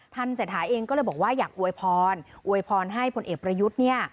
เศรษฐาเองก็เลยบอกว่าอยากอวยพรอวยพรให้พลเอกประยุทธ์เนี่ย